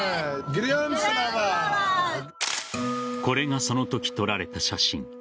これがその時撮られた写真。